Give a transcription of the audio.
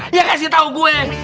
dia kasih tau gue